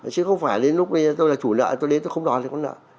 chứ không phải đến lúc tôi là chủ nợ tôi đến tôi không đòi được con nợ